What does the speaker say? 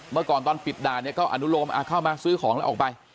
เมื่อก่อนตอนปิดด่านเนี่ยก็อนุโลมเข้ามาซื้อของแล้วออกไป